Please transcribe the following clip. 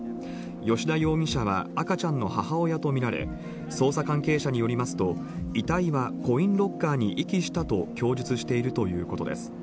吉田容疑者は赤ちゃんの母親と見られ、捜査関係者によりますと、遺体はコインロッカーに遺棄したと供述しているということです。